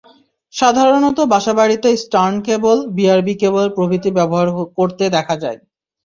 সাধারণত বাসা-বাড়িতে Eastern cable, BRB cable প্রভৃতি ব্যবহার করতে দেখা যায়।